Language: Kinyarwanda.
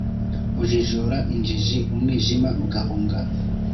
Ujijura injiji umwijima ugahunga,